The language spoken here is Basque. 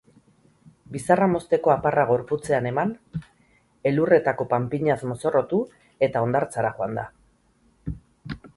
Bizarra mozteko aparra gorputzean eman, elurretako panpinaz mozorrotu eta hondartzara joan da.